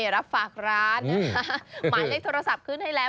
รับฝากร้านนะคะหมายเลขโทรศัพท์ขึ้นให้แล้ว